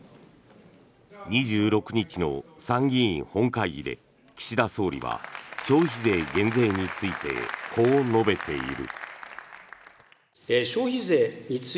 ２６日の参議院本会議で岸田総理は消費税減税についてこう述べている。